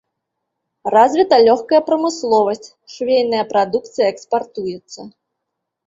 Развіта лёгкая прамысловасць, швейнай прадукцыя экспартуецца.